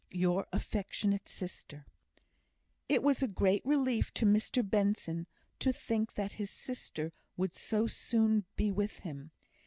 Your affectionate sister, FAITH BENSON. It was a great relief to Mr Benson to think that his sister would so soon be with him.